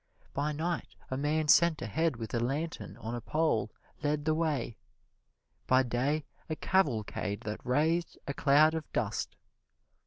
By night a man sent ahead with a lantern on a pole led the way; by day a cavalcade that raised a cloud of dust.